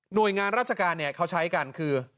หน่วยงานราชการเนี่ยเขาใช้กันคือ